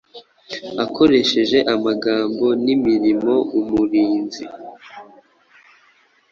Ukoresheje amagambo nimirimo umurinzi